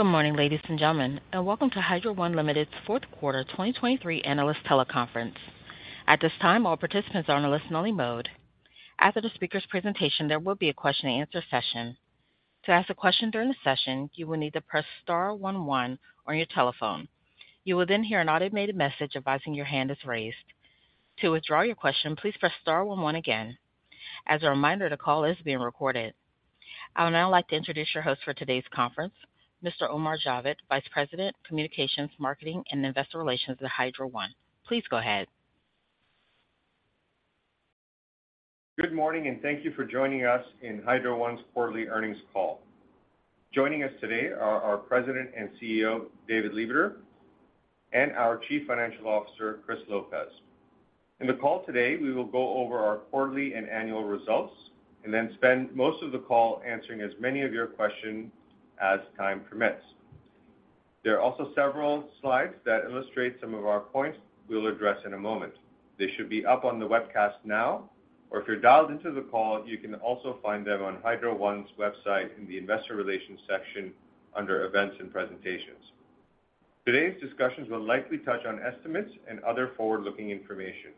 Good morning, ladies and gentlemen, and welcome to Hydro One Limited's Q4 2023 analyst teleconference. At this time, all participants are on a listen-only mode. After the speaker's presentation, there will be a question-and-answer session. To ask a question during the session, you will need to press star 11 on your telephone. You will then hear an automated message advising your hand is raised. To withdraw your question, please press star 11 again. As a reminder, the call is being recorded. I would now like to introduce your host for today's conference, Mr. Omar Javed, Vice President, Communications, Marketing, and Investor Relations at Hydro One. Please go ahead. Good morning, and thank you for joining us in Hydro One's quarterly earnings call. Joining us today are our President and CEO, David Lebeter, and our Chief Financial Officer, Chris Lopez. In the call today, we will go over our quarterly and annual results and then spend most of the call answering as many of your questions as time permits. There are also several slides that illustrate some of our points we'll address in a moment. They should be up on the webcast now, or if you're dialed into the call, you can also find them on Hydro One's website in the Investor Relations section under Events and Presentations. Today's discussions will likely touch on estimates and other forward-looking information.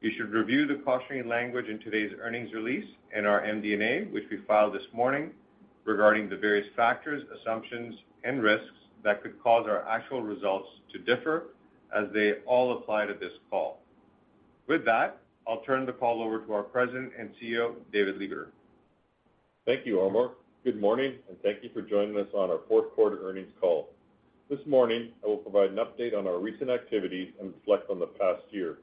You should review the cautionary language in today's earnings release and our MD&A, which we filed this morning, regarding the various factors, assumptions, and risks that could cause our actual results to differ, as they all apply to this call. With that, I'll turn the call over to our President and CEO, David Lebeter. Thank you, Omar. Good morning, and thank you for joining us on our Q4 earnings call. This morning, I will provide an update on our recent activities and reflect on the past year.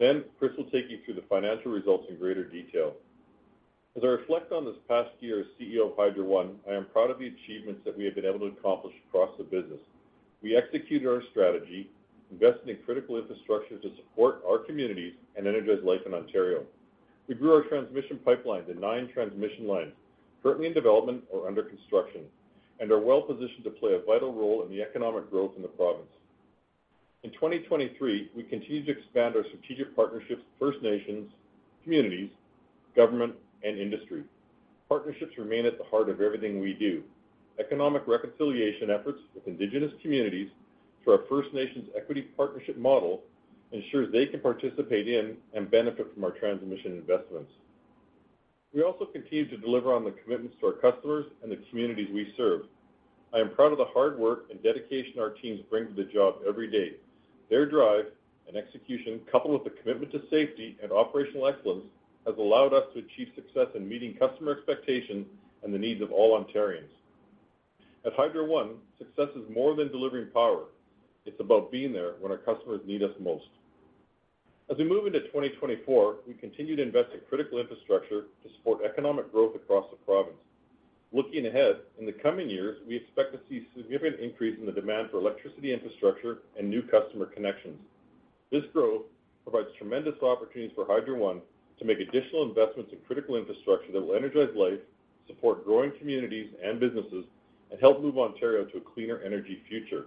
Then, Chris will take you through the financial results in greater detail. As I reflect on this past year as CEO of Hydro One, I am proud of the achievements that we have been able to accomplish across the business. We executed our strategy, invested in critical infrastructure to support our communities and energize life in Ontario. We grew our transmission pipeline to nine transmission lines, currently in development or under construction, and are well positioned to play a vital role in the economic growth in the province. In 2023, we continue to expand our strategic partnerships with First Nations, communities, government, and industry. Partnerships remain at the heart of everything we do. Economic reconciliation efforts with Indigenous communities through our First Nations Equity Partnership model ensure they can participate in and benefit from our transmission investments. We also continue to deliver on the commitments to our customers and the communities we serve. I am proud of the hard work and dedication our teams bring to the job every day. Their drive and execution, coupled with the commitment to safety and operational excellence, has allowed us to achieve success in meeting customer expectations and the needs of all Ontarians. At Hydro One, success is more than delivering power. It's about being there when our customers need us most. As we move into 2024, we continue to invest in critical infrastructure to support economic growth across the province. Looking ahead, in the coming years, we expect to see a significant increase in the demand for electricity infrastructure and new customer connections. This growth provides tremendous opportunities for Hydro One to make additional investments in critical infrastructure that will energize life, support growing communities and businesses, and help move Ontario to a cleaner energy future.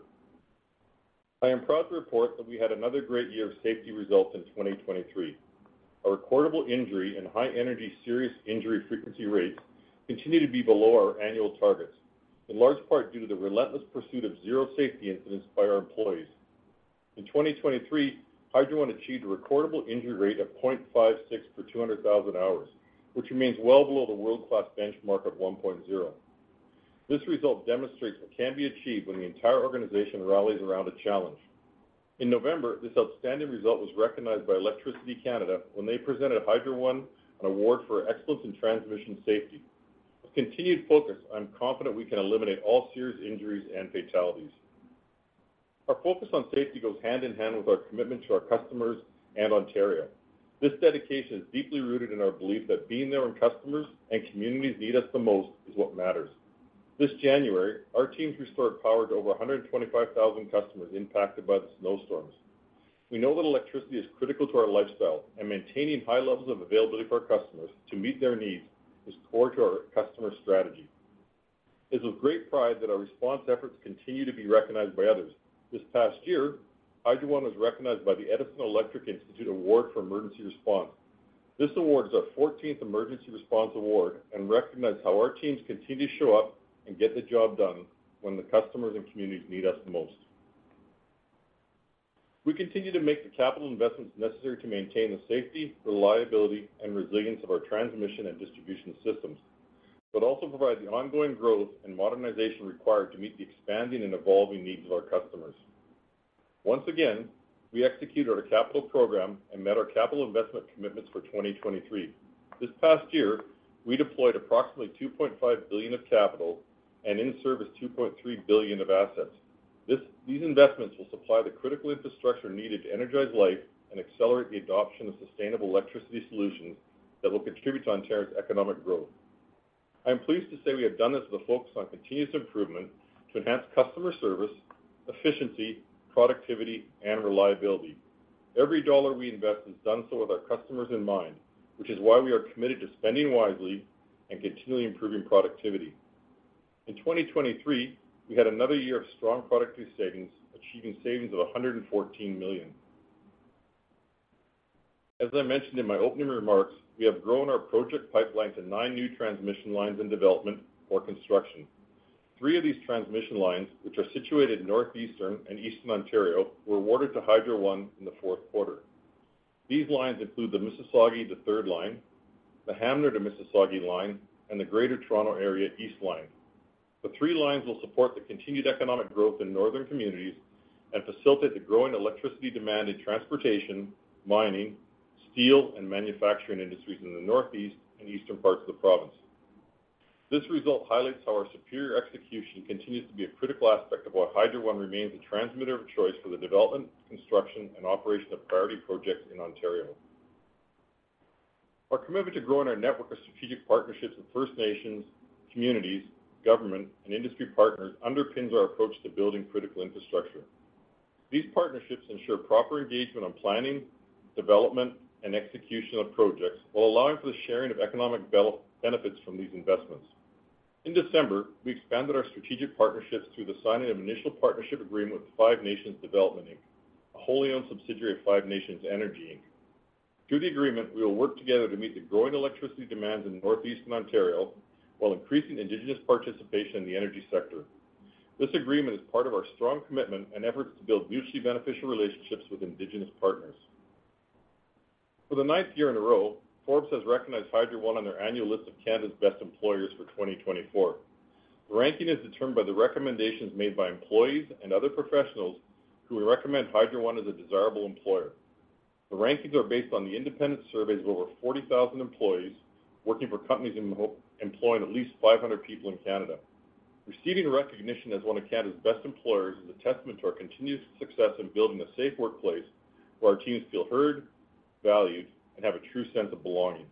I am proud to report that we had another great year of safety results in 2023. Our recordable injury and high-energy serious injury frequency rates continue to be below our annual targets, in large part due to the relentless pursuit of zero safety incidents by our employees. In 2023, Hydro One achieved a recordable injury rate of 0.56 per 200,000 hours, which remains well below the world-class benchmark of 1.0. This result demonstrates what can be achieved when the entire organization rallies around a challenge. In November, this outstanding result was recognized by Electricity Canada when they presented Hydro One an award for excellence in transmission safety. With continued focus, I'm confident we can eliminate all serious injuries and fatalities. Our focus on safety goes hand in hand with our commitment to our customers and Ontario. This dedication is deeply rooted in our belief that being there when customers and communities need us the most is what matters. This January, our teams restored power to over 125,000 customers impacted by the snowstorms. We know that electricity is critical to our lifestyle, and maintaining high levels of availability for our customers to meet their needs is core to our customer strategy. It's with great pride that our response efforts continue to be recognized by others. This past year, Hydro One was recognized by the Edison Electric Institute Award for Emergency Response. This award is our 14th Emergency Response Award and recognizes how our teams continue to show up and get the job done when the customers and communities need us the most. We continue to make the capital investments necessary to maintain the safety, reliability, and resilience of our transmission and distribution systems, but also provide the ongoing growth and modernization required to meet the expanding and evolving needs of our customers. Once again, we executed our capital program and met our capital investment commitments for 2023. This past year, we deployed approximately 2.5 billion of capital and in-service 2.3 billion of assets. These investments will supply the critical infrastructure needed to energize life and accelerate the adoption of sustainable electricity solutions that will contribute to Ontario's economic growth. I am pleased to say we have done this with a focus on continuous improvement to enhance customer service, efficiency, productivity, and reliability. Every dollar we invest is done so with our customers in mind, which is why we are committed to spending wisely and continually improving productivity. In 2023, we had another year of strong productivity savings, achieving savings of 114 million. As I mentioned in my opening remarks, we have grown our project pipeline to nine new transmission lines in development or construction. Three of these transmission lines, which are situated northeastern and eastern Ontario, were awarded to Hydro One in the Q4. These lines include the Mississagi to Third Line, the Hanmer to Mississagi Line, and the Greater Toronto Area East Line. The three lines will support the continued economic growth in northern communities and facilitate the growing electricity demand in transportation, mining, steel, and manufacturing industries in the northeast and eastern parts of the province. This result highlights how our superior execution continues to be a critical aspect of why Hydro One remains a transmitter of choice for the development, construction, and operation of priority projects in Ontario. Our commitment to growing our network of strategic partnerships with First Nations, communities, government, and industry partners underpins our approach to building critical infrastructure. These partnerships ensure proper engagement on planning, development, and execution of projects while allowing for the sharing of economic benefits from these investments. In December, we expanded our strategic partnerships through the signing of an initial partnership agreement with the Five Nations Development Inc., a wholly-owned subsidiary of Five Nations Energy Inc. Through the agreement, we will work together to meet the growing electricity demands in Northeastern Ontario while increasing Indigenous participation in the energy sector. This agreement is part of our strong commitment and efforts to build mutually beneficial relationships with Indigenous partners. For the ninth year in a row, Forbes has recognized Hydro One on their annual list of Canada's best employers for 2024. The ranking is determined by the recommendations made by employees and other professionals who recommend Hydro One as a desirable employer. The rankings are based on the independent surveys of over 40,000 employees working for companies employing at least 500 people in Canada. Receiving recognition as one of Canada's best employers is a testament to our continuous success in building a safe workplace where our teams feel heard, valued, and have a true sense of belonging.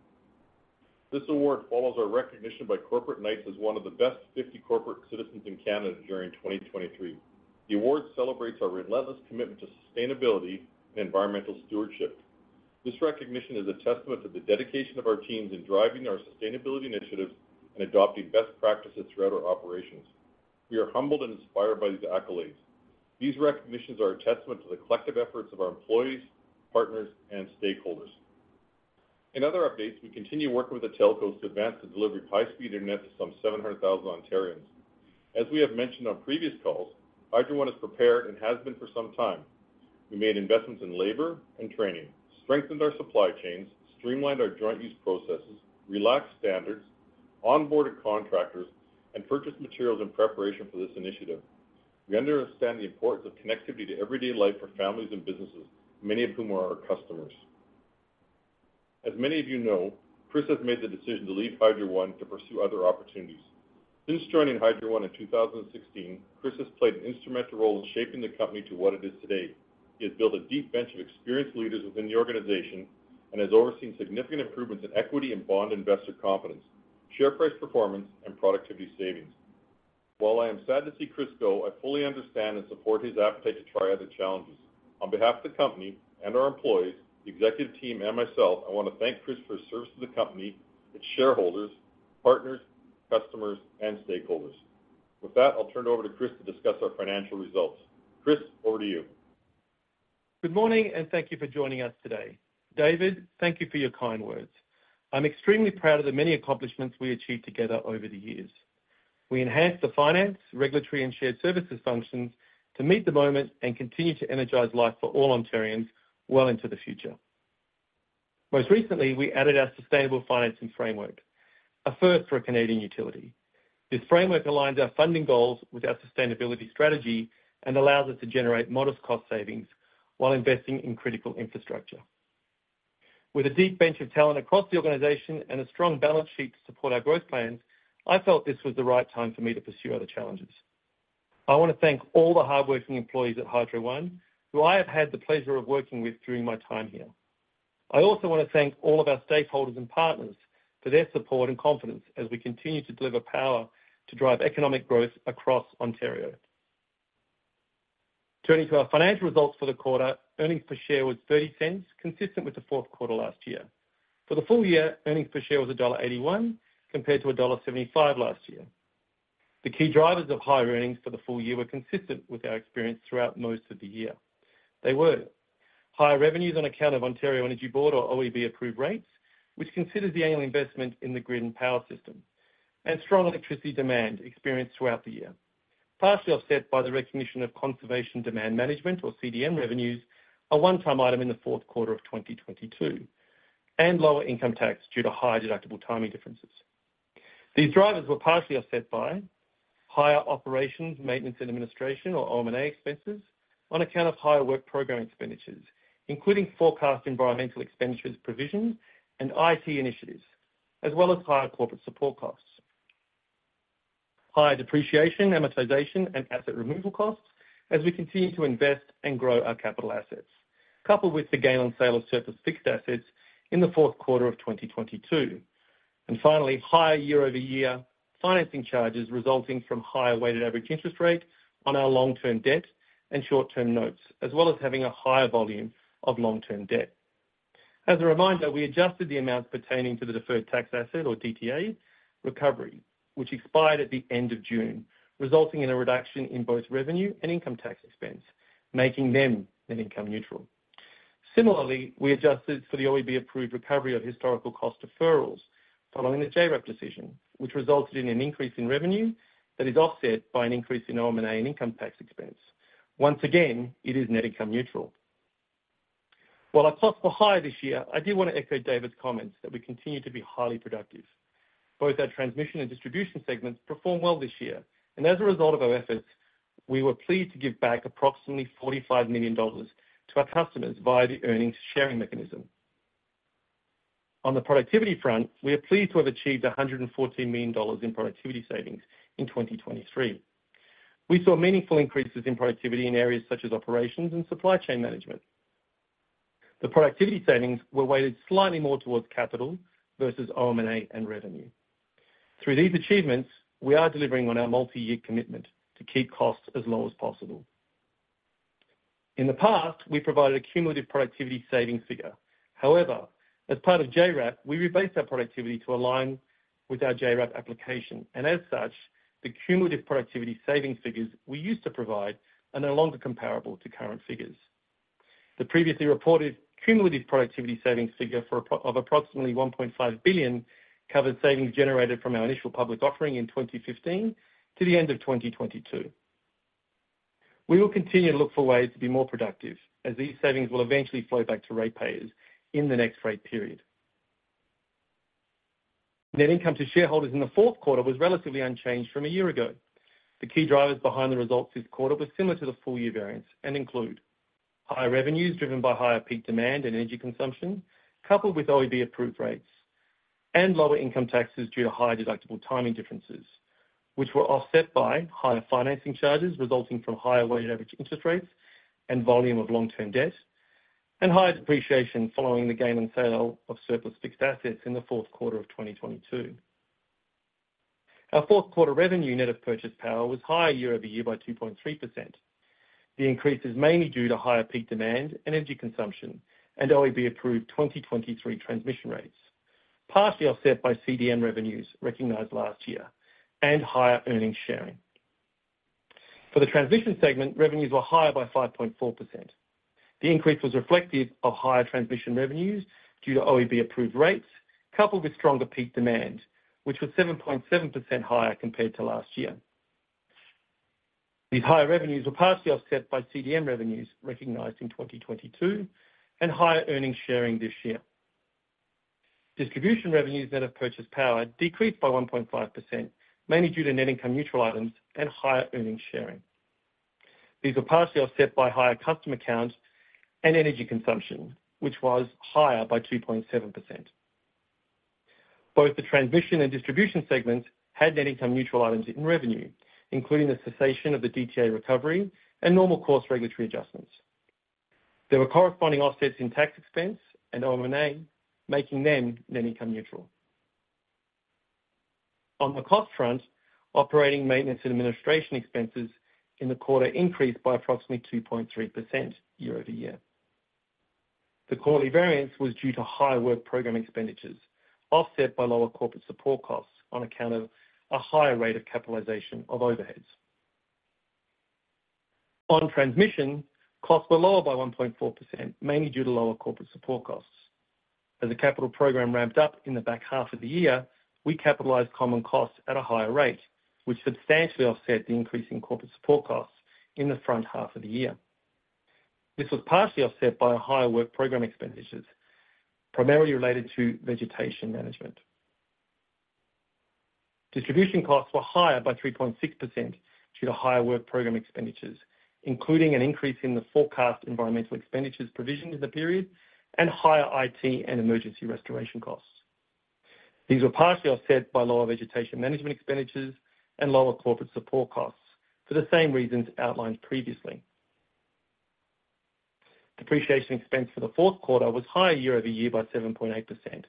This award follows our recognition by Corporate Knights as one of the best 50 corporate citizens in Canada during 2023. The award celebrates our relentless commitment to sustainability and environmental stewardship. This recognition is a testament to the dedication of our teams in driving our sustainability initiatives and adopting best practices throughout our operations. We are humbled and inspired by these accolades. These recognitions are a testament to the collective efforts of our employees, partners, and stakeholders. In other updates, we continue working with the telcos to advance the delivery of high-speed internet to some 700,000 Ontarians. As we have mentioned on previous calls, Hydro One is prepared and has been for some time. We made investments in labor and training, strengthened our supply chains, streamlined our joint-use processes, relaxed standards, onboarded contractors, and purchased materials in preparation for this initiative. We understand the importance of connectivity to everyday life for families and businesses, many of whom are our customers. As many of you know, Chris has made the decision to leave Hydro One to pursue other opportunities. Since joining Hydro One in 2016, Chris has played an instrumental role in shaping the company to what it is today. He has built a deep bench of experienced leaders within the organization and has overseen significant improvements in equity and bond investor confidence, share price performance, and productivity savings. While I am sad to see Chris go, I fully understand and support his appetite to try other challenges. On behalf of the company and our employees, the executive team, and myself, I want to thank Chris for his service to the company, its shareholders, partners, customers, and stakeholders. With that, I'll turn it over to Chris to discuss our financial results. Chris, over to you. Good morning, and thank you for joining us today. David, thank you for your kind words. I'm extremely proud of the many accomplishments we achieved together over the years. We enhanced the finance, regulatory, and shared services functions to meet the moment and continue to energize life for all Ontarians well into the future. Most recently, we added our Sustainable Financing Framework, a first for a Canadian utility. This framework aligns our funding goals with our sustainability strategy and allows us to generate modest cost savings while investing in critical infrastructure. With a deep bench of talent across the organization and a strong balance sheet to support our growth plans, I felt this was the right time for me to pursue other challenges. I want to thank all the hardworking employees at Hydro One who I have had the pleasure of working with during my time here. I also want to thank all of our stakeholders and partners for their support and confidence as we continue to deliver power to drive economic growth across Ontario. Turning to our financial results for the quarter, Earnings Per Share was 0.30, consistent with the Q4 last year. For the full year, Earnings Per Share was dollar 1.81 compared to dollar 1.75 last year. The key drivers of higher earnings for the full year were consistent with our experience throughout most of the year. They were: higher revenues on account of Ontario Energy Board or OEB-approved rates, which considers the annual investment in the grid and power system, and strong electricity demand experienced throughout the year. Partially offset by the recognition of Conservation and Demand Management, or CDM, revenues, a one-time item in the Q4 of 2022, and lower income tax due to high deductible timing differences. These drivers were partially offset by higher operations, maintenance, and administration, or OM&A expenses on account of higher work program expenditures, including forecast environmental expenditures provisions and IT initiatives, as well as higher corporate support costs. Higher depreciation, amortization, and asset removal costs as we continue to invest and grow our capital assets, coupled with the gain on sale of surplus fixed assets in the Q4 of 2022. And finally, higher year-over-year financing charges resulting from higher weighted average interest rate on our long-term debt and short-term notes, as well as having a higher volume of long-term debt. As a reminder, we adjusted the amounts pertaining to the deferred tax asset, or DTA, recovery, which expired at the end of June, resulting in a reduction in both revenue and income tax expense, making them net income neutral. Similarly, we adjusted for the OEB-approved recovery of historical cost deferrals following the JRAP decision, which resulted in an increase in revenue that is offset by an increase in OM&A and income tax expense. Once again, it is net income neutral. While our costs were higher this year, I do want to echo David's comments that we continue to be highly productive. Both our transmission and distribution segments perform well this year, and as a result of our efforts, we were pleased to give back approximately 45 million dollars to our customers via the earnings sharing mechanism. On the productivity front, we are pleased to have achieved 114 million dollars in productivity savings in 2023. We saw meaningful increases in productivity in areas such as operations and supply chain management. The productivity savings were weighted slightly more towards capital versus OM&A and revenue. Through these achievements, we are delivering on our multi-year commitment to keep costs as low as possible. In the past, we provided a cumulative productivity savings figure. However, as part of JRAP, we rebased our productivity to align with our JRAP application, and as such, the cumulative productivity savings figures we used to provide are no longer comparable to current figures. The previously reported cumulative productivity savings figure of approximately 1.5 billion covers savings generated from our initial public offering in 2015 to the end of 2022. We will continue to look for ways to be more productive as these savings will eventually flow back to ratepayers in the next rate period. Net income to shareholders in the Q4 was relatively unchanged from a year ago. The key drivers behind the results this quarter were similar to the full-year variance and include: higher revenues driven by higher peak demand and energy consumption, coupled with OEB-approved rates, and lower income taxes due to higher deductible timing differences, which were offset by higher financing charges resulting from higher weighted average interest rates and volume of long-term debt, and higher depreciation following the gain on sale of surface fixed assets in the Q4 of 2022. Our Q4 revenue net of purchased power was higher year-over-year by 2.3%. The increase is mainly due to higher peak demand, energy consumption, and OEB-approved 2023 transmission rates, partially offset by CDM revenues recognized last year and higher earnings sharing. For the transmission segment, revenues were higher by 5.4%. The increase was reflective of higher transmission revenues due to OEB-approved rates, coupled with stronger peak demand, which was 7.7% higher compared to last year. These higher revenues were partially offset by CDM revenues recognized in 2022 and higher earnings sharing this year. Distribution revenues net of purchased power decreased by 1.5%, mainly due to net income neutral items and higher earnings sharing. These were partially offset by higher customer count and energy consumption, which was higher by 2.7%. Both the transmission and distribution segments had net income neutral items in revenue, including the cessation of the DTA recovery and normal course regulatory adjustments. There were corresponding offsets in tax expense and OM&A, making them net income neutral. On the cost front, operating, maintenance, and administration expenses in the quarter increased by approximately 2.3% year-over-year. The quarterly variance was due to higher work program expenditures, offset by lower corporate support costs on account of a higher rate of capitalization of overheads. On transmission, costs were lower by 1.4%, mainly due to lower corporate support costs. As the capital program ramped up in the back half of the year, we capitalized common costs at a higher rate, which substantially offset the increase in corporate support costs in the front half of the year. This was partially offset by higher work program expenditures, primarily related to vegetation management. Distribution costs were higher by 3.6% due to higher work program expenditures, including an increase in the forecast environmental expenditures provisions in the period and higher IT and emergency restoration costs. These were partially offset by lower vegetation management expenditures and lower corporate support costs for the same reasons outlined previously. Depreciation expense for the Q4 was higher year-over-year by 7.8%.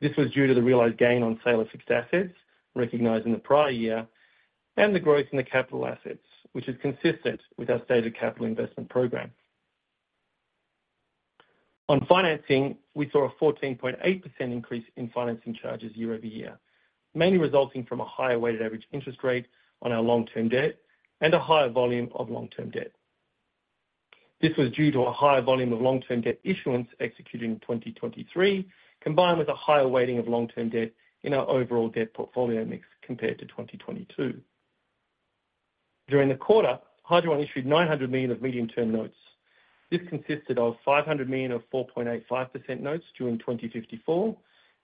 This was due to the realized gain on sale of fixed assets recognized in the prior year and the growth in the capital assets, which is consistent with our stated capital investment program. On financing, we saw a 14.8% increase in financing charges year-over-year, mainly resulting from a higher weighted average interest rate on our long-term debt and a higher volume of long-term debt. This was due to a higher volume of long-term debt issuance executed in 2023, combined with a higher weighting of long-term debt in our overall debt portfolio mix compared to 2022. During the quarter, Hydro One issued 900 million of medium-term notes. This consisted of 500 million of 4.85% notes during 2054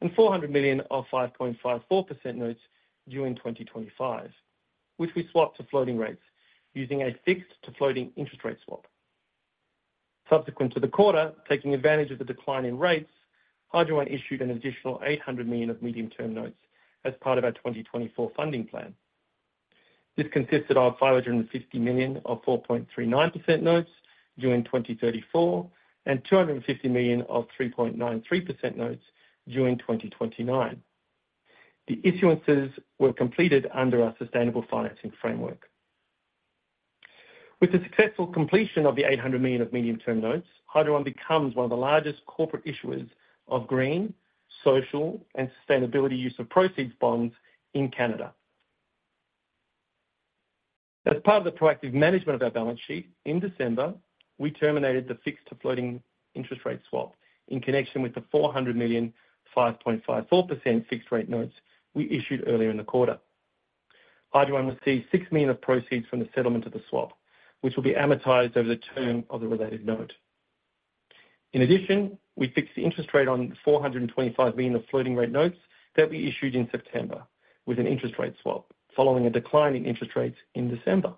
and 400 million of 5.54% notes during 2025, which we swapped to floating rates using a fixed-to-floating interest rate swap. Subsequent to the quarter, taking advantage of the decline in rates, Hydro One issued an additional 800 million of medium-term notes as part of our 2024 funding plan. This consisted of 550 million of 4.39% notes during 2034 and 250 million of 3.93% notes during 2029. The issuances were completed under our Sustainable Financing Framework. With the successful completion of the 800 million of medium-term notes, Hydro One becomes one of the largest corporate issuers of green, social, and sustainability use of proceeds bonds in Canada. As part of the proactive management of our balance sheet, in December, we terminated the fixed-to-floating interest rate swap in connection with the 400 million 5.54% fixed-rate notes we issued earlier in the quarter. Hydro One received 6 million of proceeds from the settlement of the swap, which will be amortized over the term of the related note. In addition, we fixed the interest rate on the 425 million of floating-rate notes that we issued in September with an interest rate swap following a decline in interest rates in December.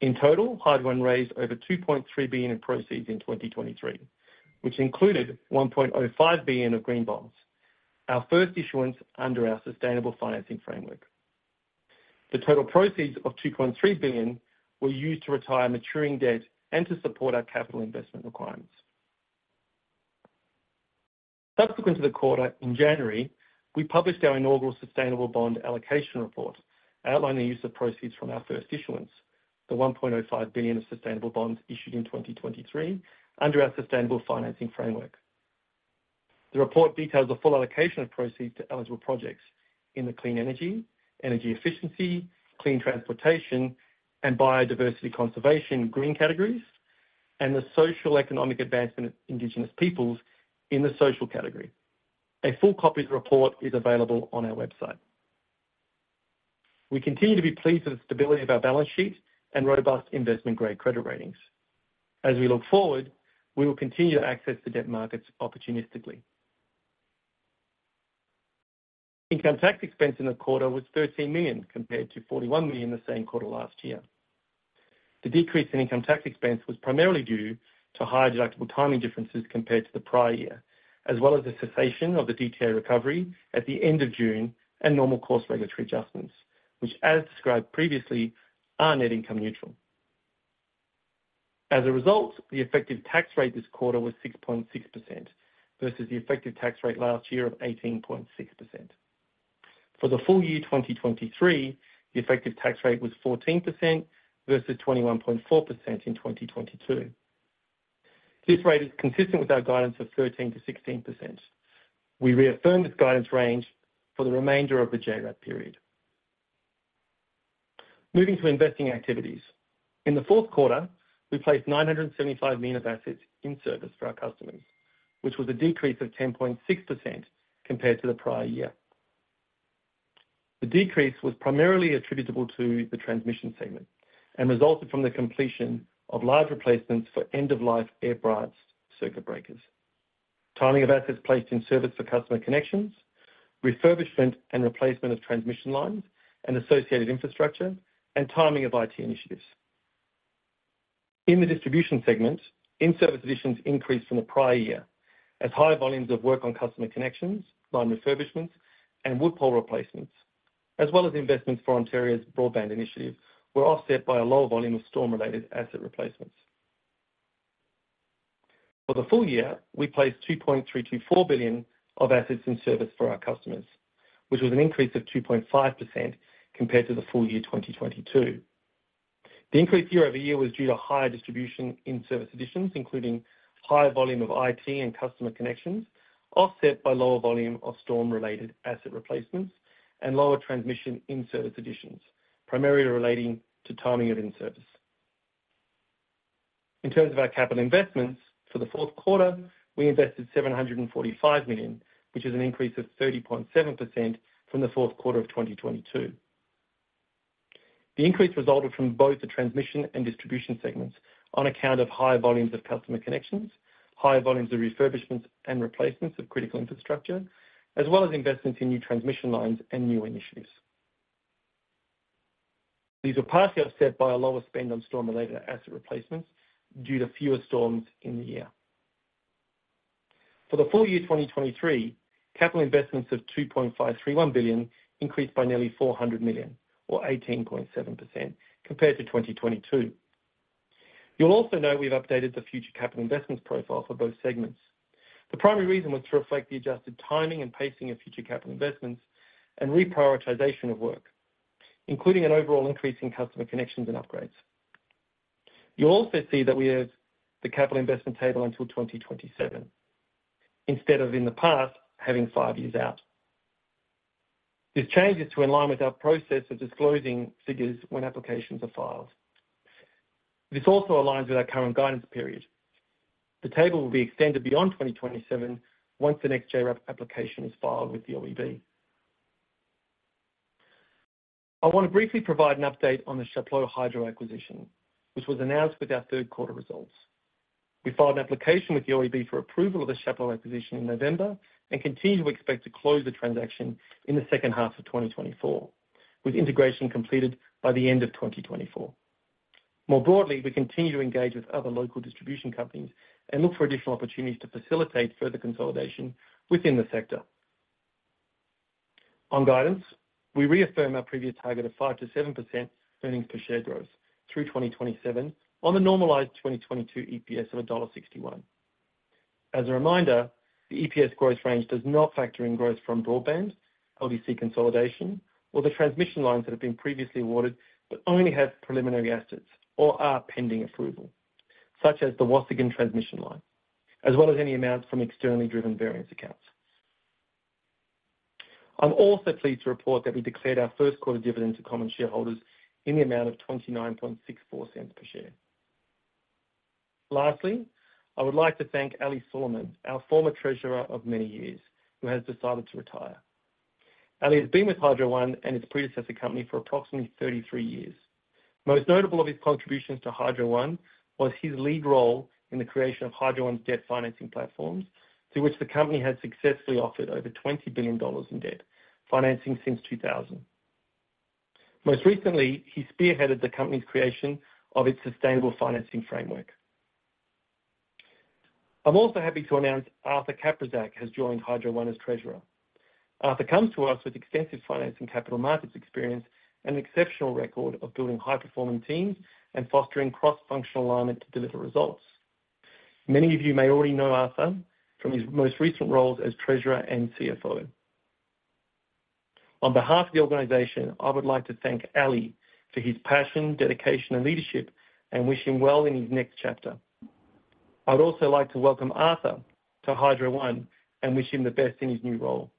In total, Hydro One raised over 2.3 billion in proceeds in 2023, which included 1.05 billion of Green Bonds, our first issuance under our Sustainable Financing Framework. The total proceeds of 2.3 billion were used to retire maturing debt and to support our capital investment requirements. Subsequent to the quarter, in January, we published our inaugural Sustainable Bond Allocation Report outlining the use of proceeds from our first issuance, the 1.05 billion of sustainable bonds issued in 2023 under our Sustainable Financing Framework. The report details the full allocation of proceeds to eligible projects in the clean energy, energy efficiency, clean transportation, and biodiversity conservation green categories, and the social economic advancement of Indigenous peoples in the social category. A full copy of the report is available on our website. We continue to be pleased with the stability of our balance sheet and robust investment-grade credit ratings. As we look forward, we will continue to access the debt markets opportunistically. Income tax expense in the quarter was 13 million compared to 41 million the same quarter last year. The decrease in income tax expense was primarily due to higher deductible timing differences compared to the prior year, as well as the cessation of the DTA recovery at the end of June and normal course regulatory adjustments, which, as described previously, are net income neutral. As a result, the effective tax rate this quarter was 6.6% versus the effective tax rate last year of 18.6%. For the full year 2023, the effective tax rate was 14% versus 21.4% in 2022. This rate is consistent with our guidance of 13%-16%. We reaffirm this guidance range for the remainder of the JRAP period. Moving to investing activities. In the Q4, we placed 975 million of assets in service for our customers, which was a decrease of 10.6% compared to the prior year. The decrease was primarily attributable to the transmission segment and resulted from the completion of large replacements for end-of-life air-blast circuit breakers, timing of assets placed in service for customer connections, refurbishment and replacement of transmission lines and associated infrastructure, and timing of IT initiatives. In the distribution segment, in-service additions increased from the prior year as higher volumes of work on customer connections, line refurbishments, and woodpole replacements, as well as investments for Ontario's broadband initiative, were offset by a lower volume of storm-related asset replacements. For the full year, we placed 2.324 billion of assets in service for our customers, which was an increase of 2.5% compared to the full year 2022. The increase year-over-year was due to higher distribution in-service additions, including higher volume of IT and customer connections, offset by lower volume of storm-related asset replacements and lower transmission in-service additions, primarily relating to timing of in-service. In terms of our capital investments, for the Q4, we invested 745 million, which is an increase of 30.7% from the Q4 of 2022. The increase resulted from both the transmission and distribution segments on account of higher volumes of customer connections, higher volumes of refurbishments and replacements of critical infrastructure, as well as investments in new transmission lines and new initiatives. These were partially offset by a lower spend on storm-related asset replacements due to fewer storms in the year. For the full year 2023, capital investments of 2.531 billion increased by nearly 400 million or 18.7% compared to 2022. You'll also know we've updated the future capital investments profile for both segments. The primary reason was to reflect the adjusted timing and pacing of future capital investments and reprioritization of work, including an overall increase in customer connections and upgrades. You'll also see that we have the capital investment table until 2027 instead of, in the past, having five years out. This change is to align with our process of disclosing figures when applications are filed. This also aligns with our current guidance period. The table will be extended beyond 2027 once the next JRAP application is filed with the OEB. I want to briefly provide an update on the Chapleau Hydro acquisition, which was announced with our Q3 results. We filed an application with the OEB for approval of the Chapleau acquisition in November and continue to expect to close the transaction in the second half of 2024, with integration completed by the end of 2024. More broadly, we continue to engage with other local distribution companies and look for additional opportunities to facilitate further consolidation within the sector. On guidance, we reaffirm our previous target of 5%-7% earnings per share growth through 2027 on the normalized 2022 EPS of dollar 1.61. As a reminder, the EPS growth range does not factor in growth from broadband, LDC consolidation, or the transmission lines that have been previously awarded but only have preliminary assets or are pending approval, such as the Waasigan Transmission Line, as well as any amounts from externally driven variance accounts. I'm also pleased to report that we declared our Q1 dividend to common shareholders in the amount of 0.2964 per share. Lastly, I would like to thank Ali Suleman, our former Treasurer of many years, who has decided to retire. Ali has been with Hydro One and its predecessor company for approximately 33 years. Most notable of his contributions to Hydro One was his lead role in the creation of Hydro One's debt financing platforms, through which the company had successfully offered over 20 billion dollars in debt financing since 2000. Most recently, he spearheaded the company's creation of its Sustainable Financing Framework. I'm also happy to announce Arthur Kacprzak has joined Hydro One as treasurer. Arthur comes to us with extensive finance and capital markets experience and an exceptional record of building high-performing teams and fostering cross-functional alignment to deliver results. Many of you may already know Arthur from his most recent roles as treasurer and CFO. On behalf of the organization, I would like to thank Ali for his passion, dedication, and leadership, and wish him well in his next chapter. I'd also like to welcome Arthur to Hydro One and wish him the best in his new role.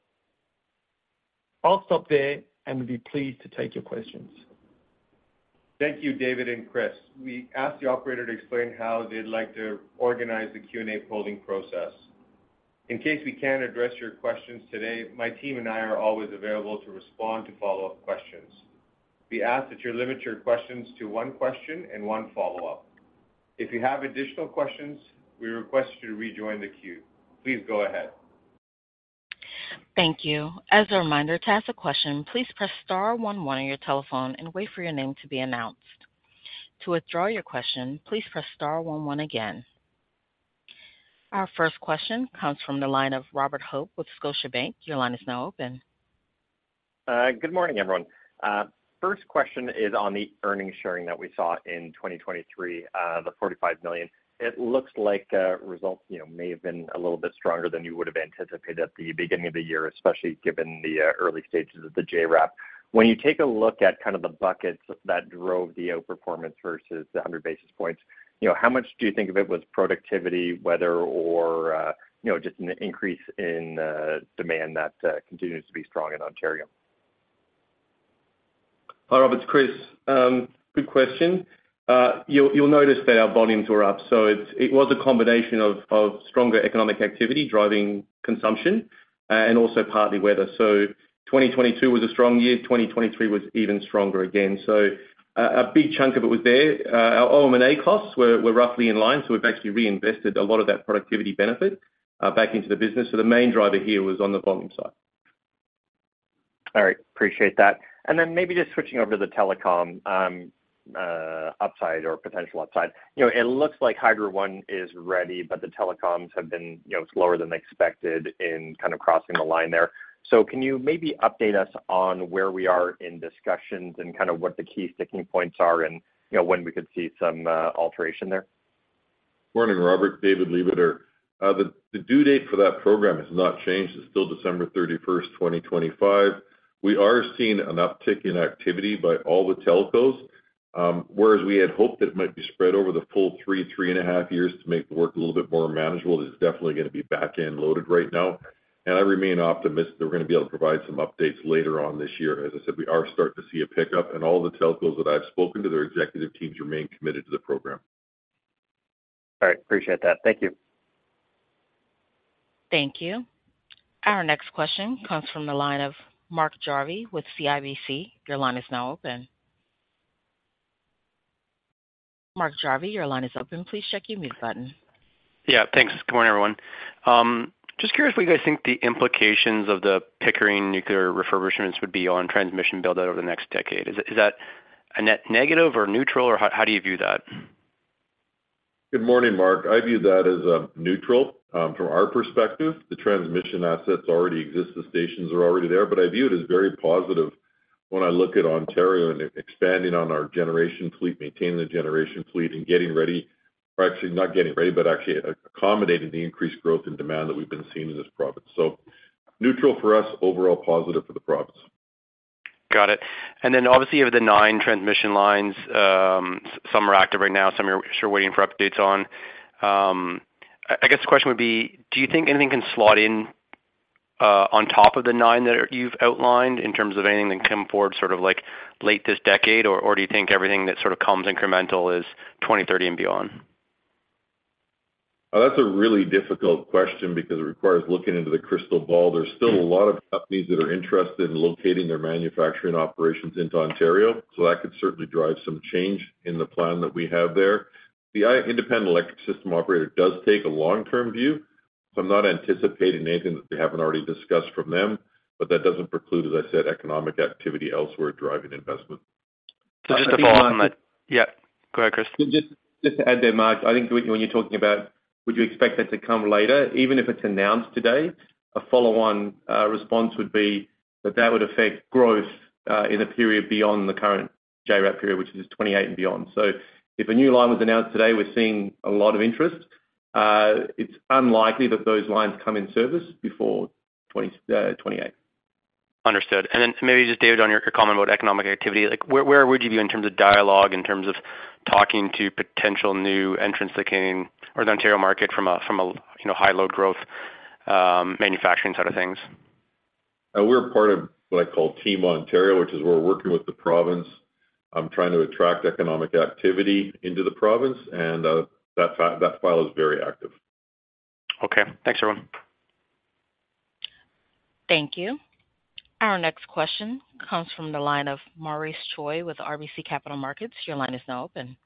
I'll stop there, and we'd be pleased to take your questions. Thank you, David and Chris. We asked the operator to explain how they'd like to organize the Q&A polling process. In case we can't address your questions today, my team and I are always available to respond to follow-up questions. We ask that you limit your questions to one question and one follow-up. If you have additional questions, we request you to rejoin the queue. Please go ahead. Thank you. As a reminder, to ask a question, please press star 11 on your telephone and wait for your name to be announced. To withdraw your question, please press star 11 again. Our first question comes from the line of Robert Hope with Scotiabank. Your line is now open. Good morning, everyone. First question is on the earnings sharing that we saw in 2023, the 45 million. It looks like results may have been a little bit stronger than you would have anticipated at the beginning of the year, especially given the early stages of the JRAP. When you take a look at kind of the buckets that drove the outperformance versus the 100 basis points, how much do you think of it was productivity, weather, or just an increase in demand that continues to be strong in Ontario? Hi, Robert. It's Chris. Good question. You'll notice that our volumes were up. So it was a combination of stronger economic activity driving consumption and also partly weather. So 2022 was a strong year. 2023 was even stronger again. So a big chunk of it was there. Our OM&A costs were roughly in line. So we've actually reinvested a lot of that productivity benefit back into the business. So the main driver here was on the volume side. All right. Appreciate that. And then maybe just switching over to the telecom upside or potential upside. It looks like Hydro One is ready, but the telecoms have been slower than expected in kind of crossing the line there. So can you maybe update us on where we are in discussions and kind of what the key sticking points are and when we could see some alteration there? Morning, Robert. David Lebeter. The due date for that program has not changed. It's still December 31st, 2025. We are seeing an uptick in activity by all the telcos. Whereas we had hoped that it might be spread over the full 3-3.5 years to make the work a little bit more manageable, it is definitely going to be back-end loaded right now. And I remain optimistic that we're going to be able to provide some updates later on this year. As I said, we are starting to see a pickup. And all the telcos that I've spoken to, their executive teams remain committed to the program. All right. Appreciate that. Thank you. Thank you. Our next question comes from the line of Mark Jarvi with CIBC. Your line is now open. Mark Jarvi, your line is open. Please check your mute button. Yeah. Thanks. Good morning, everyone. Just curious what you guys think the implications of the Pickering nuclear refurbishments would be on transmission buildout over the next decade. Is that a net negative or neutral, or how do you view that? Good morning, Mark. I view that as neutral from our perspective. The transmission assets already exist. The stations are already there. But I view it as very positive when I look at Ontario and expanding on our generation fleet, maintaining the generation fleet, and getting ready or actually not getting ready, but actually accommodating the increased growth and demand that we've been seeing in this province. So neutral for us, overall positive for the province. Got it. And then obviously, you have the nine transmission lines. Some are active right now. Some you're sure waiting for updates on. I guess the question would be, do you think anything can slot in on top of the nine that you've outlined in terms of anything that can come forward sort of late this decade, or do you think everything that sort of comes incremental is 2030 and beyond? That's a really difficult question because it requires looking into the crystal ball. There's still a lot of companies that are interested in locating their manufacturing operations into Ontario. So that could certainly drive some change in the plan that we have there. The Independent Electricity System Operator does take a long-term view. So I'm not anticipating anything that they haven't already discussed from them. But that doesn't preclude, as I said, economic activity elsewhere driving investment. Just to follow up on that, yeah. Go ahead, Chris. Just to add there, Mark, I think when you're talking about, "Would you expect that to come later?" even if it's announced today, a follow-on response would be that that would affect growth in a period beyond the current JRAP period, which is 2028 and beyond. So if a new line was announced today, we're seeing a lot of interest. It's unlikely that those lines come in service before 2028. Understood. And then maybe just, David, on your comment about economic activity, where would you be in terms of dialogue, in terms of talking to potential new entrants that came or the Ontario market from a high-load growth manufacturing side of things? We're part of what I call Team Ontario, which is we're working with the province trying to attract economic activity into the province. That file is very active. Okay. Thanks, everyone. Thank you. Our next question comes from the line of Maurice Choy with RBC Capital Markets. Your line is now open.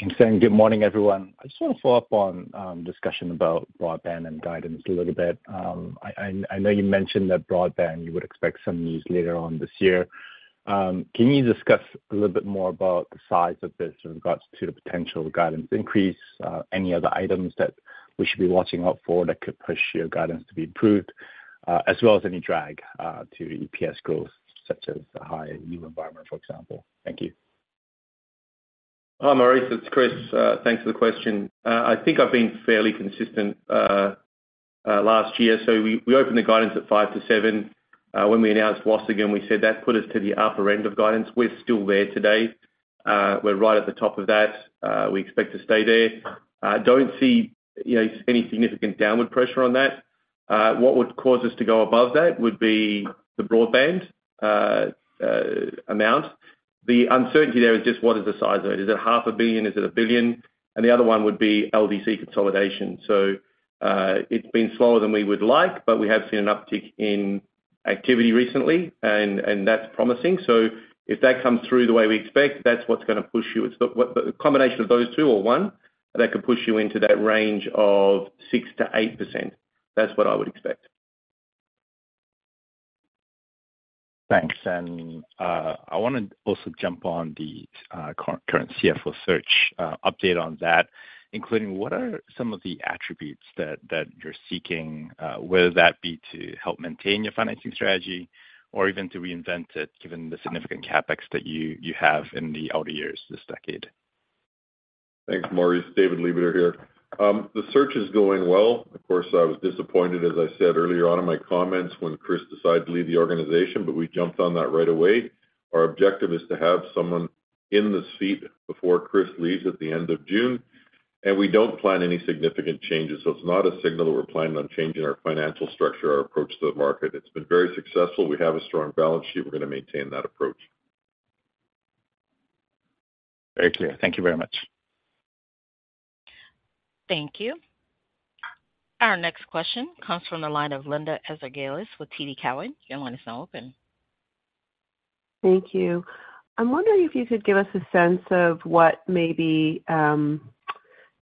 I'm saying good morning, everyone. I just want to follow up on discussion about broadband and guidance a little bit. I know you mentioned that broadband, you would expect some news later on this year. Can you discuss a little bit more about the size of this in regards to the potential guidance increase, any other items that we should be watching out for that could push your guidance to be improved, as well as any drag to EPS growth such as a higher EU environment, for example? Thank you. Hi, Maurice. It's Chris. Thanks for the question. I think I've been fairly consistent last year. So we opened the guidance at 0.50-0.70. When we announced Waasigan, we said that put us to the upper end of guidance. We're still there today. We're right at the top of that. We expect to stay there. Don't see any significant downward pressure on that. What would cause us to go above that would be the broadband amount. The uncertainty there is just what is the size of it? Is it 0.5 billion? Is it 1 billion? And the other one would be LDC consolidation. So it's been slower than we would like, but we have seen an uptick in activity recently, and that's promising. So if that comes through the way we expect, that's what's going to push you. It's the combination of those two or one that could push you into that range of 6%-8%. That's what I would expect. Thanks. I want to also jump on the current CFO search update on that, including what are some of the attributes that you're seeking, whether that be to help maintain your financing strategy or even to reinvent it given the significant CapEx that you have in the outer years this decade? Thanks, Maurice. David Lebeter here. The search is going well. Of course, I was disappointed, as I said earlier on in my comments, when Chris decided to leave the organization, but we jumped on that right away. Our objective is to have someone in the seat before Chris leaves at the end of June. We don't plan any significant changes. It's not a signal that we're planning on changing our financial structure, our approach to the market. It's been very successful. We have a strong balance sheet. We're going to maintain that approach. Very clear. Thank you very much. Thank you. Our next question comes from the line of Linda Ezergailis with TD Cowen. Your line is now open. Thank you. I'm wondering if you could give us a sense of what maybe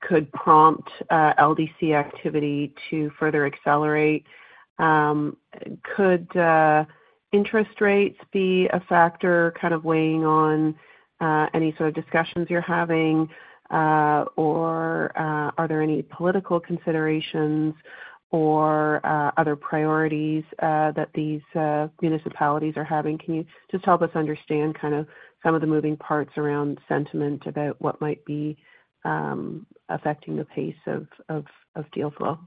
could prompt LDC activity to further accelerate. Could interest rates be a factor kind of weighing on any sort of discussions you're having? Or are there any political considerations or other priorities that these municipalities are having? Can you just help us understand kind of some of the moving parts around sentiment about what might be affecting the pace of deal flow?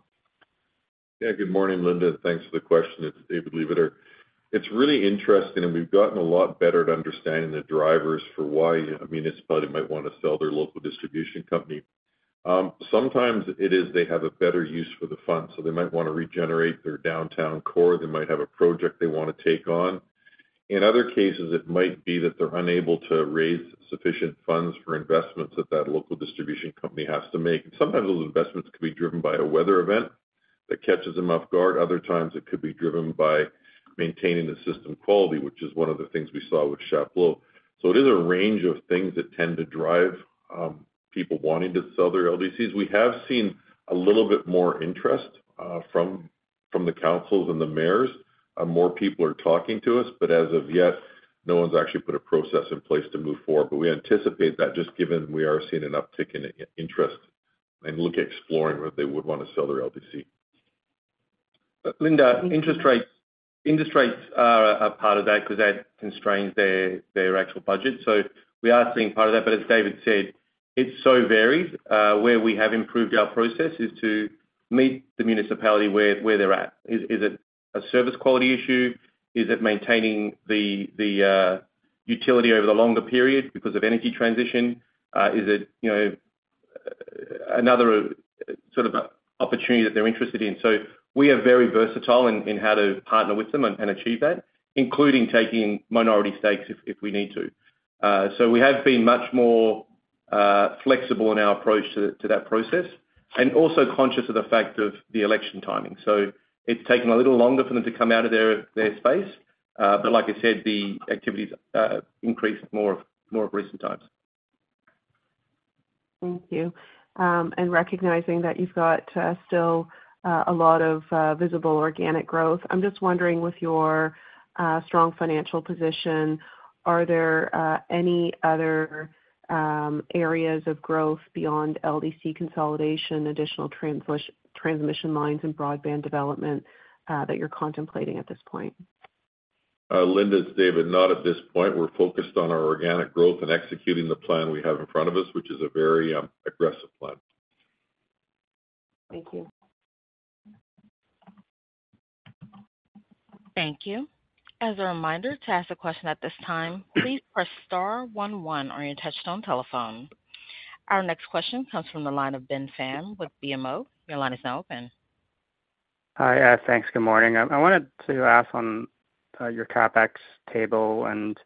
Yeah. Good morning, Linda. Thanks for the question. It's David Lebeter. It's really interesting, and we've gotten a lot better at understanding the drivers for why a municipality might want to sell their local distribution company. Sometimes it is they have a better use for the funds. So they might want to regenerate their downtown core. They might have a project they want to take on. In other cases, it might be that they're unable to raise sufficient funds for investments that that local distribution company has to make. And sometimes those investments could be driven by a weather event that catches them off guard. Other times, it could be driven by maintaining the system quality, which is one of the things we saw with Chapleau. So it is a range of things that tend to drive people wanting to sell their LDCs. We have seen a little bit more interest from the councils and the mayors. More people are talking to us. But as of yet, no one's actually put a process in place to move forward. But we anticipate that just given we are seeing an uptick in interest and look at exploring whether they would want to sell their LDC. Linda, interest rates are a part of that because that constrains their actual budget. So we are seeing part of that. But as David said, it so varies. Where we have improved our process is to meet the municipality where they're at. Is it a service quality issue? Is it maintaining the utility over the longer period because of energy transition? Is it another sort of opportunity that they're interested in? So we are very versatile in how to partner with them and achieve that, including taking minority stakes if we need to. So we have been much more flexible in our approach to that process and also conscious of the fact of the election timing. So it's taken a little longer for them to come out of their space. But like I said, the activities increased more of recent times. Thank you. Recognizing that you've got still a lot of visible organic growth, I'm just wondering, with your strong financial position, are there any other areas of growth beyond LDC consolidation, additional transmission lines, and broadband development that you're contemplating at this point? it's David, not at this point. We're focused on our organic growth and executing the plan we have in front of us, which is a very aggressive plan. Thank you. Thank you. As a reminder, to ask a question at this time, please press star 11 on your touch-tone telephone. Our next question comes from the line of Ben Pham with BMO. Your line is now open. Hi. Thanks. Good morning. I wanted to ask on your CapEx table and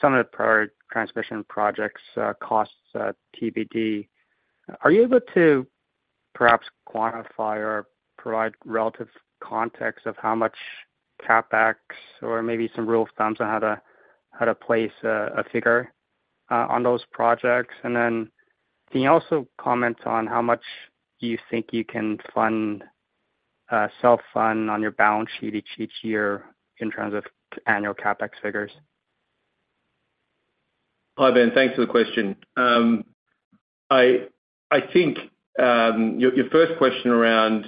some of the prior transmission projects, costs, TBD. Are you able to perhaps quantify or provide relative context of how much CapEx or maybe some rule of thumbs on how to place a figure on those projects? And then can you also comment on how much do you think you can self-fund on your balance sheet each year in terms of annual CapEx figures? Hi, Ben. Thanks for the question. I think your first question around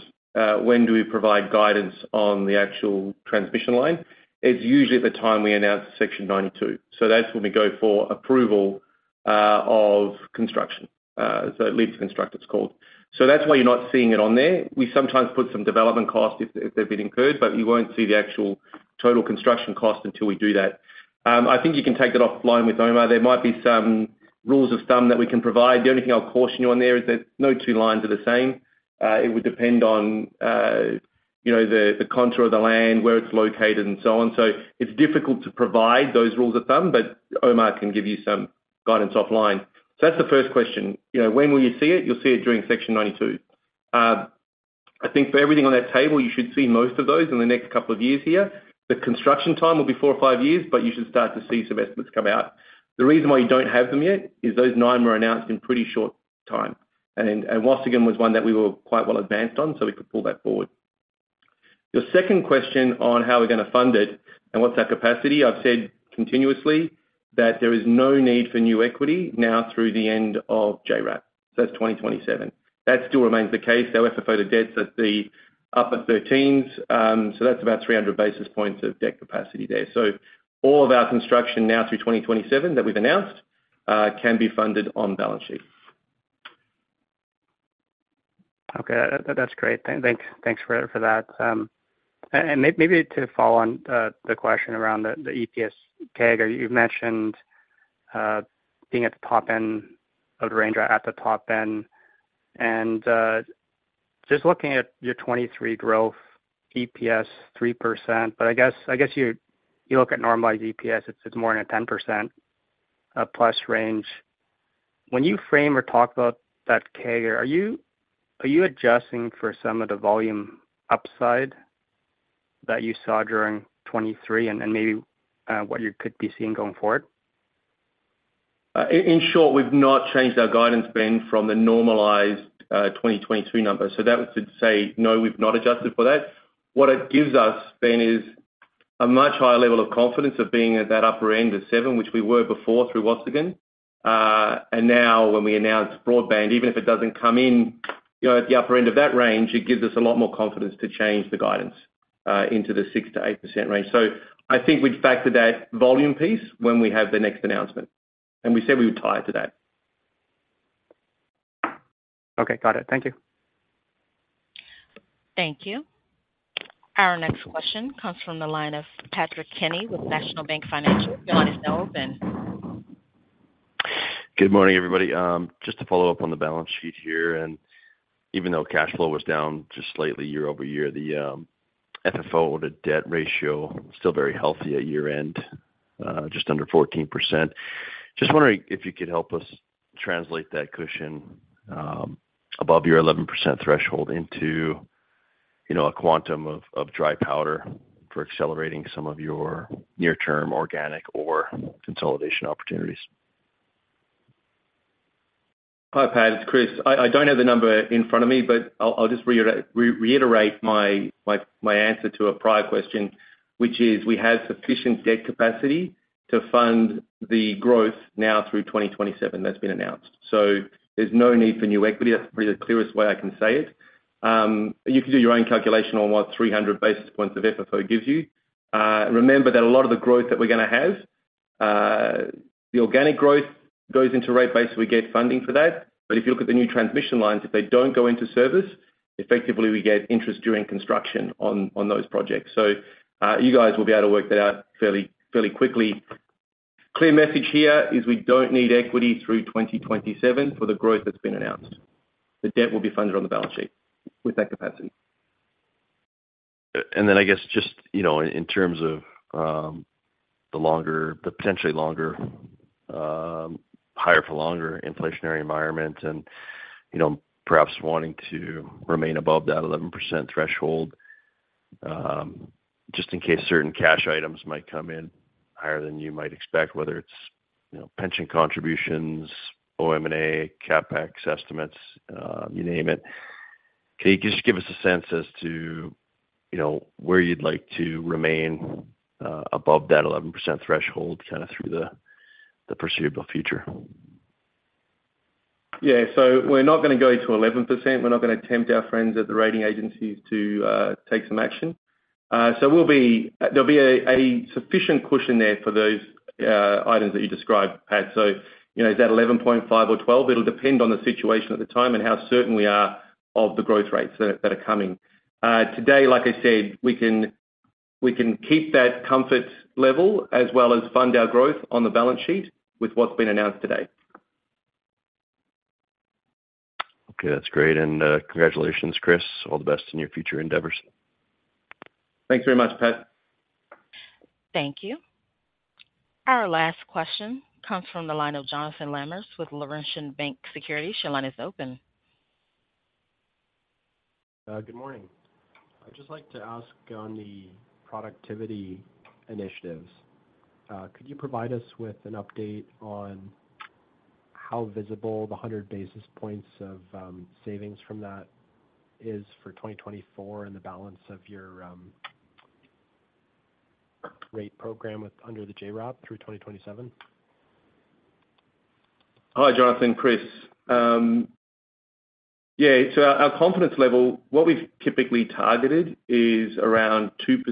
when do we provide guidance on the actual transmission line is usually at the time we announce Section 92. So that's when we go for approval of construction. So it’s Leave to Construct, it’s called. So that's why you're not seeing it on there. We sometimes put some development cost if they've been incurred, but you won't see the actual total construction cost until we do that. I think you can take that offline with Omar. There might be some rules of thumb that we can provide. The only thing I'll caution you on there is that no two lines are the same. It would depend on the contour of the land, where it's located, and so on. So it's difficult to provide those rules of thumb, but Omar can give you some guidance offline. So that's the first question. When will you see it? You'll see it during Section 92. I think for everything on that table, you should see most of those in the next couple of years here. The construction time will be 4 or 5 years, but you should start to see some estimates come out. The reason why you don't have them yet is those 9 were announced in pretty short time. And Waasigan was one that we were quite well advanced on, so we could pull that forward. Your second question on how we're going to fund it and what's our capacity, I've said continuously that there is no need for new equity now through the end of JRAP. So that's 2027. That still remains the case. Our FFO to debt's at the upper 13s. So that's about 300 basis points of debt capacity there. All of our construction now through 2027 that we've announced can be funded on balance sheet. Okay. That's great. Thanks for that. And maybe to follow on the question around the EPS CAGR, you've mentioned being at the top end of the range, at the top end. And just looking at your 2023 growth, EPS 3%, but I guess you look at normalized EPS, it's more in a 10%+ range. When you frame or talk about that CAGR, are you adjusting for some of the volume upside that you saw during 2023 and maybe what you could be seeing going forward? In short, we've not changed our guidance, Ben, from the normalized 2022 numbers. So that was to say, no, we've not adjusted for that. What it gives us, Ben, is a much higher level of confidence of being at that upper end of 7, which we were before through Wassem Khalil. And now when we announce broadband, even if it doesn't come in at the upper end of that range, it gives us a lot more confidence to change the guidance into the 6%-8% range. So I think we'd factor that volume piece when we have the next announcement. And we said we would tie it to that. Okay. Got it. Thank you. Thank you. Our next question comes from the line of Patrick Kenny with National Bank Financial. Your line is now open. Good morning, everybody. Just to follow up on the balance sheet here. Even though cash flow was down just slightly year-over-year, the FFO to debt ratio still very healthy at year-end, just under 14%. Just wondering if you could help us translate that cushion above your 11% threshold into a quantum of dry powder for accelerating some of your near-term organic or consolidation opportunities. Hi, Pat. It's Chris. I don't have the number in front of me, but I'll just reiterate my answer to a prior question, which is we have sufficient debt capacity to fund the growth now through 2027 that's been announced. So there's no need for new equity. That's probably the clearest way I can say it. You can do your own calculation on what 300 basis points of FFO gives you. Remember that a lot of the growth that we're going to have, the organic growth goes into rate base. We get funding for that. But if you look at the new transmission lines, if they don't go into service, effectively, we get interest during construction on those projects. So you guys will be able to work that out fairly quickly. Clear message here is we don't need equity through 2027 for the growth that's been announced. The debt will be funded on the balance sheet with that capacity. Then I guess just in terms of the potentially higher-for-longer inflationary environment and perhaps wanting to remain above that 11% threshold just in case certain cash items might come in higher than you might expect, whether it's pension contributions, OM&A, CapEx estimates, you name it. Can you just give us a sense as to where you'd like to remain above that 11% threshold kind of through the foreseeable future? Yeah. So we're not going to go to 11%. We're not going to tempt our friends at the rating agencies to take some action. So there'll be a sufficient cushion there for those items that you described, Pat. So is that 11.5 or 12? It'll depend on the situation at the time and how certain we are of the growth rates that are coming. Today, like I said, we can keep that comfort level as well as fund our growth on the balance sheet with what's been announced today. Okay. That's great. And congratulations, Chris. All the best in your future endeavors. Thanks very much, Pat. Thank you. Our last question comes from the line of Jonathan Lamers with Laurentian Bank Securities. Your line is open. Good morning. I'd just like to ask on the productivity initiatives. Could you provide us with an update on how visible the 100 basis points of savings from that is for 2024 and the balance of your rate program under the JRAP through 2027? Hi, Jonathan. Chris. Yeah. So our confidence level, what we've typically targeted is around 2% of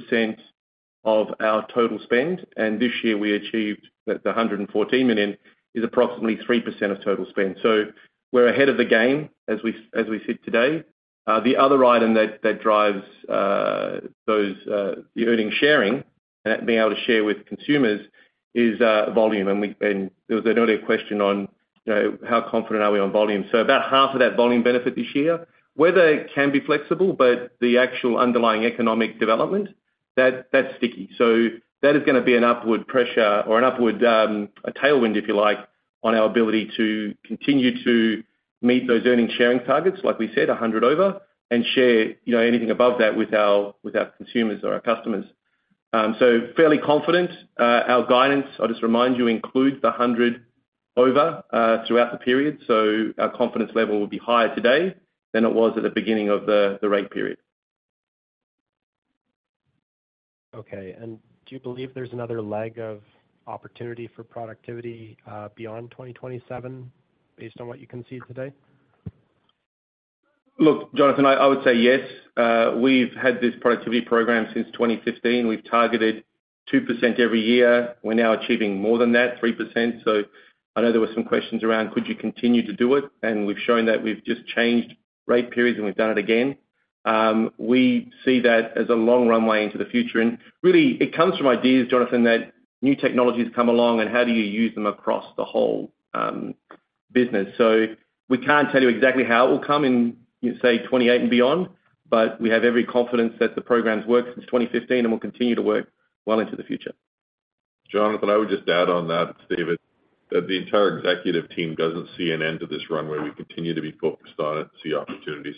our total spend. And this year, we achieved that. The 114 million is approximately 3% of total spend. So we're ahead of the game as we sit today. The other item that drives the earnings sharing and being able to share with consumers is volume. And there was an earlier question on how confident are we on volume. So about half of that volume benefit this year. Whether it can be flexible, but the actual underlying economic development, that's sticky. So that is going to be an upward pressure or a tailwind, if you like, on our ability to continue to meet those earnings sharing targets, like we said, 100 over, and share anything above that with our consumers or our customers. So fairly confident. Our guidance, I'll just remind you, includes the 100 over throughout the period. Our confidence level will be higher today than it was at the beginning of the rate period. Okay. Do you believe there's another lag of opportunity for productivity beyond 2027 based on what you can see today? Look, Jonathan, I would say yes. We've had this productivity program since 2015. We've targeted 2% every year. We're now achieving more than that, 3%. So I know there were some questions around, "Could you continue to do it?" And we've shown that we've just changed rate periods, and we've done it again. We see that as a long runway into the future. And really, it comes from ideas, Jonathan, that new technologies come along, and how do you use them across the whole business? So we can't tell you exactly how it will come in, say, 2028 and beyond, but we have every confidence that the program's worked since 2015 and will continue to work well into the future. Jonathan, I would just add on that, David, that the entire executive team doesn't see an end to this runway. We continue to be focused on it and see opportunities.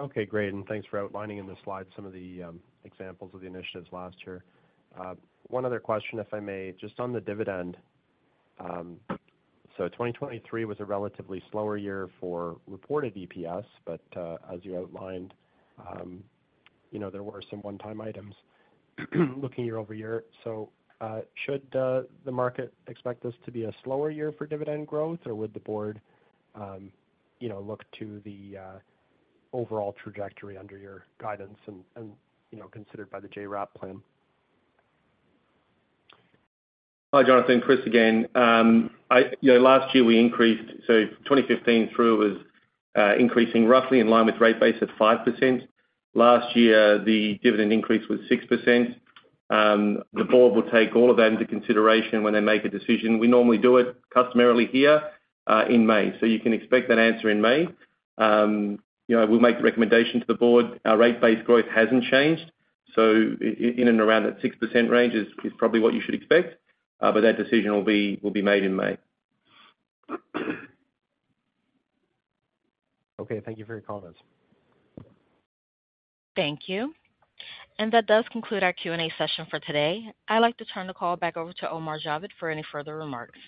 Okay. Great. And thanks for outlining in the slides some of the examples of the initiatives last year. One other question, if I may, just on the dividend. So 2023 was a relatively slower year for reported EPS, but as you outlined, there were some one-time items looking year over year. So should the market expect this to be a slower year for dividend growth, or would the board look to the overall trajectory under your guidance and considered by the JRAP plan? Hi, Jonathan. Chris again. Last year, we increased. So 2015 through was increasing roughly in line with Rate Base at 5%. Last year, the dividend increase was 6%. The board will take all of that into consideration when they make a decision. We normally do it customarily here in May. So you can expect that answer in May. We'll make the recommendation to the board. Our Rate Base-based growth hasn't changed. So in and around that 6% range is probably what you should expect. But that decision will be made in May. Okay. Thank you for your comments. Thank you. That does conclude our Q&A session for today. I'd like to turn the call back over to Omar Javed for any further remarks.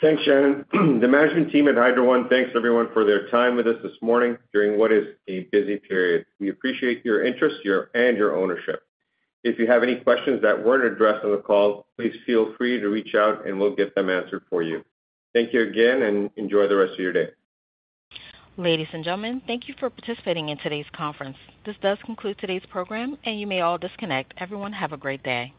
Thanks, Sharon. The management team at Hydro One thanks everyone for their time with us this morning during what is a busy period. We appreciate your interest and your ownership. If you have any questions that weren't addressed on the call, please feel free to reach out, and we'll get them answered for you. Thank you again, and enjoy the rest of your day. Ladies and gentlemen, thank you for participating in today's conference. This does conclude today's program, and you may all disconnect. Everyone, have a great day.